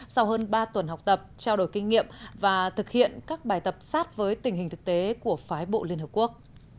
sau hơn ba tuần học tập trao đổi kinh nghiệm và thực hiện các bài tập sát với tình hình thực tế của phái bộ liên hợp quốc